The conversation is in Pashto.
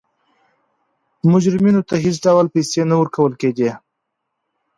مجرمینو ته هېڅ ډول پیسې نه ورکول کېده.